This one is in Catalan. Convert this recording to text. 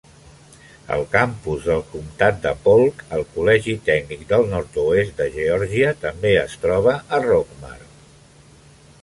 El campus del comtat de Polk, al Col·legi tècnic del nord-oest de Geòrgia, també es troba a Rockmart.